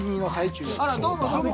あらどうもどうも。